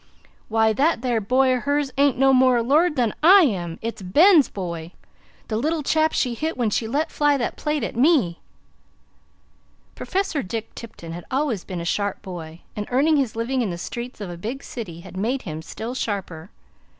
Why, that there boy o' hers aint no more a lord than I am! It's BEN'S boy, the little chap she hit when she let fly that plate at me." Professor Dick Tipton had always been a sharp boy, and earning his living in the streets of a big city had made him still sharper.